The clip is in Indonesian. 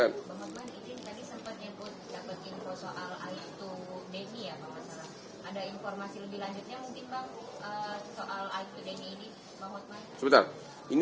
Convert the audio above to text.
ada informasi lebih lanjutnya mungkin bang soal aitudemi ini